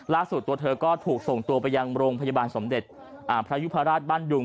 ตัวเธอก็ถูกส่งตัวไปยังโรงพยาบาลสมเด็จพระยุพราชบ้านดุง